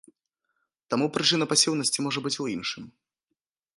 Таму прычына пасіўнасці можа быць у іншым.